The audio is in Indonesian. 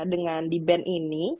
dengan di ban ini